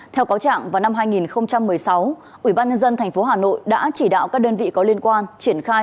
theo cáo trạng vào năm hai nghìn một mươi sáu ủy ban nhân dân tp hà nội đã chỉ đạo các đơn vị có liên quan triển khai